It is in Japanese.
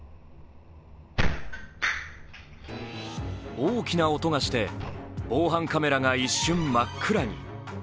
大きな音がして、防犯カメラが一瞬真っ暗に。